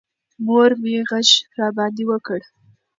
مور مې غږ راباندې وکړ.